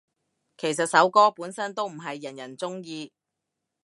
其實首歌本身都唔係人人鍾意